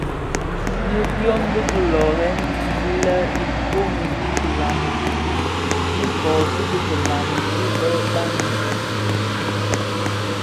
Nnë byom bi löören lè iköö wu kilami ki gib nnë kōsuu bi kilami ki bë bani.